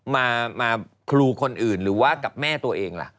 มาครูคนอื่นหรือว่ากับแม่ตัวเองล่ะ